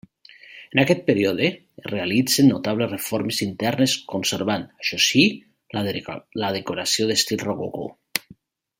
En aquest període es realitzen notables reformes internes conservant, això sí, la decoració estil rococó.